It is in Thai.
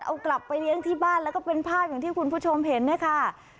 เอากลับไปเลี้ยงที่บ้านแล้วก็เป็นภาพอย่างที่คุณผู้ชมเห็นเนี่ยค่ะ